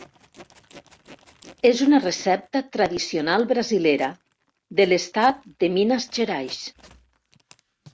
És una recepta tradicional brasilera, de l'estat de Minas Gerais.